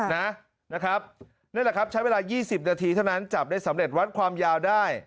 นั่นแหละครับใช้เวลา๒๐นาทีเท่านั้นจับได้สำเร็จวัดความยาวได้